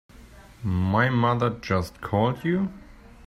My mother just called you?